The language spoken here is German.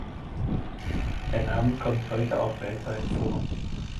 Der Name kommt heute auch weltweit vor.